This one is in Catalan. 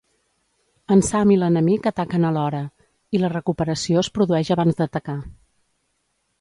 En Sam i l'enemic ataquen a l'hora, i la recuperació es produeix abans d'atacar.